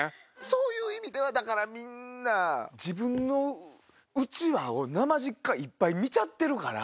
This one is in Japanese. そういう意味ではだからみんな自分のうちわをなまじっかいっぱい見ちゃってるから。